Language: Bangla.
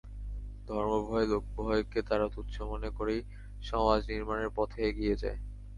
ধর্মভয়, লোকভয়কে তারা তুচ্ছ মনে করেই সমাজ নির্মাণের পথে এগিয়ে যায়।